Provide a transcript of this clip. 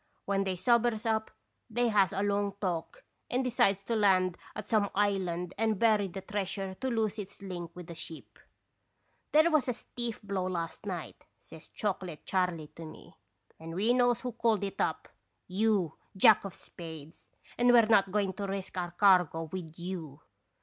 When they sobers up, they has a long talk and decides to land at some island and bury the treasure to lose its link with the ship. "* There was a stiff blow last night,' says Chocolate Charley to me, * and we knows who called it up, you Jack of Spades, and we're not going to risk our cargo with you.